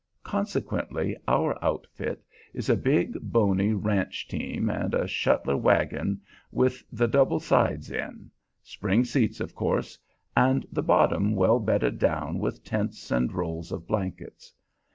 Consequently our outfit is a big, bony ranch team and a Shuttler wagon with the double sides in; spring seats, of course, and the bottom well bedded down with tents and rolls of blankets.